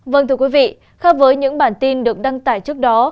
vâng thưa quý vị khác với những bản tin được đăng tải trước đó